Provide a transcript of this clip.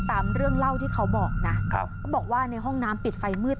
ตามเรื่องเล่าที่เขาบอกนะเขาบอกว่าในห้องน้ำปิดไฟมืด